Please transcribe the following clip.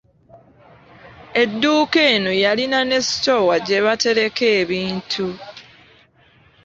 Edduuka eno yalina ne sitoowa gye batereka ebintu.